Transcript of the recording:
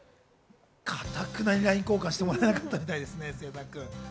かたくなにＬＩＮＥ交換してもらえなかったみたいですね。